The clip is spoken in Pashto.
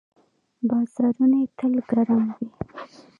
بازارونه یې تل ګرم وي.